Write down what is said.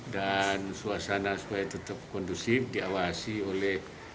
dan suasana supaya tetap kondusif diawasi oleh